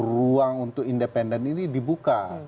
ruang untuk independen ini dibuka